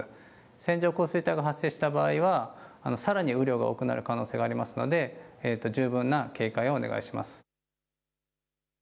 線状降水帯が発生した場合はさらに雨量が多くなる可能性がありますので十分な警戒をお願いします。